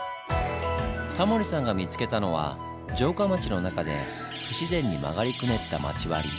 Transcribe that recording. タモリさんが見つけたのは城下町の中で不自然に曲がりくねった町割り。